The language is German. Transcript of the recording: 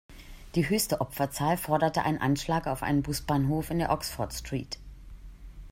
Die höchste Opferzahl forderte ein Anschlag auf einen Busbahnhof in der Oxford Street.